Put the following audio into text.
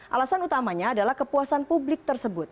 alasan utamanya adalah kepuasan publik tersebut